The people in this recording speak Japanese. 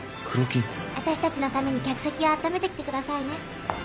わたしたちのために客席を温めてきてくださいね。